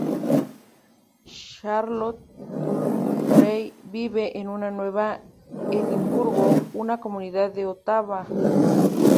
Charlotte Gray vive en Nueva Edimburgo, una comunidad de Ottawa.